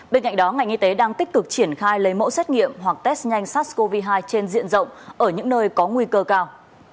bên cạnh đó ngành y tế đang tích cực triển khai lấy mẫu xét nghiệm hoặc test nhanh sars cov hai trên diện rộng ở những nơi có nguy cơ cao